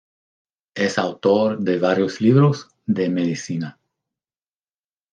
Es autor de varios libros de medicina.